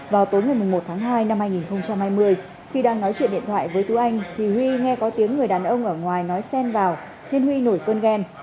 vào tối ngày một tháng hai năm hai nghìn hai mươi khi đang nói chuyện điện thoại với tú anh thì huy nghe có tiếng người đàn ông ở ngoài nói xen vào nên huy nổi cơn ghen